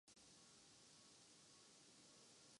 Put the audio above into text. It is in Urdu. کوئٹہ کے سالہ بالر علی میکائل کو نیو زنے ڈھونڈ لیا